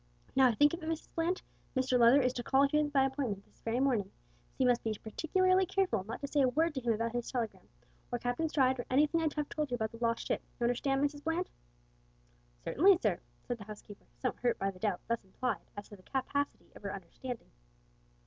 "Now I think of it, Mrs Bland, Mr Leather is to call here by appointment this very morning, so you must be particularly careful not to say a word to him about this telegram, or Captain Stride, or anything I have told you about the lost ship you understand, Mrs Bland?" "Certainly, sir," said the housekeeper, somewhat hurt by the doubt thus implied as to the capacity of her understanding.